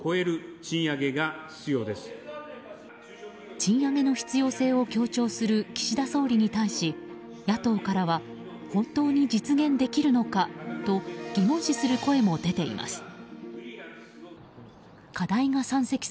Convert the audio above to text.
賃上げの必要性を強調する岸田総理に対し野党からは本当に実現できるのかと疑問視する声も出ています。